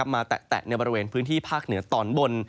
แตะในบริเวณพื้นที่ภาคเหนือตอนบน